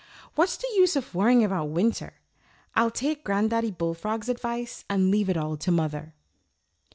"What's the use of worrying about winter? I'll take Granddaddy Bullfrog's advice and leave it all to Mother."